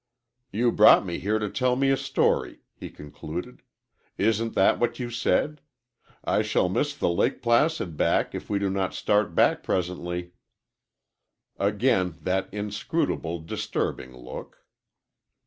"You brought me here to tell me a story," he concluded. "Isn't that what you said? I shall miss the Lake Placid hack if we do not start back presently." Again that inscrutable, disturbing look.